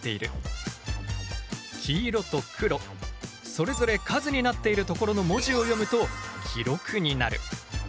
それぞれ数になっているところの文字を読むと「きろく」になる。